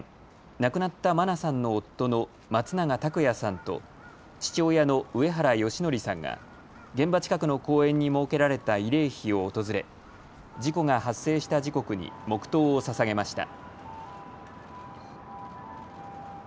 亡くなった真菜さんの夫の松永拓也さんと父親の上原義教さんが現場近くの公園に設けられた慰霊碑を訪れ事故が発生した時刻に黙とうをささげました。